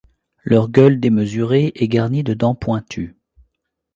Leur gueule démesurée est garnie de dents pointues.